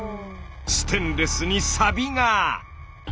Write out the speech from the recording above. ステンレスにサビが。